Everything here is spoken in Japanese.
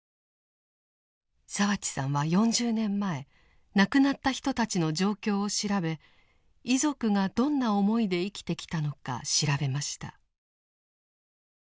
澤地さんは４０年前亡くなった人たちの状況を調べ遺族がどんな思いで生きてきたのか調べました。